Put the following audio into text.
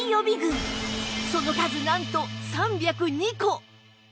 その数なんと３０２個